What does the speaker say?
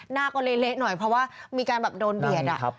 หน้าก็เละหน่อยเพราะว่ามีการแบบโดนเบียด